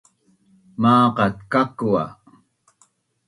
Maqat kaku’ a